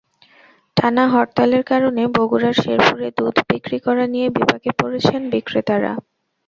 টানা হরতালের কারণে বগুড়ার শেরপুরে দুধ বিক্রি করা নিয়ে বিপাকে পড়েছেন বিক্রেতারা।